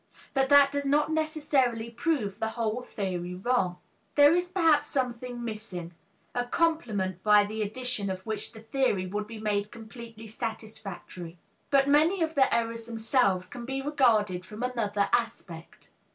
But that does not necessarily prove the whole theory wrong. There is perhaps something missing, a complement by the addition of which the theory would be made completely satisfactory. But many of the errors themselves can be regarded from another aspect.